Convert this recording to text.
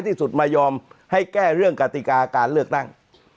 ที่สุดมายอมให้แก้เรื่องกติกาการเลือกตั้ง